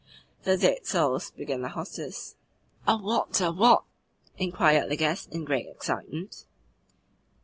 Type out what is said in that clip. "The dead souls," began the hostess. "Are what, are what?" inquired the guest in great excitement.